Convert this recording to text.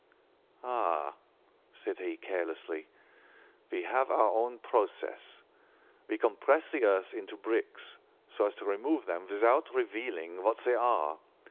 "'Ah!' said he carelessly, 'we have our own process. We compress the earth into bricks, so as to remove them without revealing what they are.